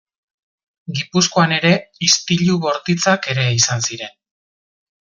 Gipuzkoan ere istilu bortitzak ere izan ziren.